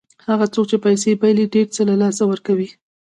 هغه څوک چې پیسې بایلي ډېر څه له لاسه ورکوي.